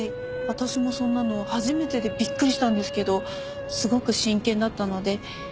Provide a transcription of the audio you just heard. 私もそんなの初めてでびっくりしたんですけどすごく真剣だったので。